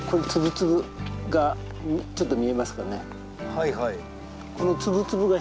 はいはい。